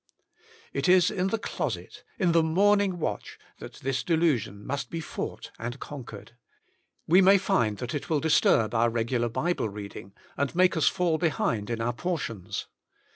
It is in the closet, in the morning watch, that this delusion must be fought and conquered. We may find that it will disturb our regular Bible reading, and make us fall behind in our portions.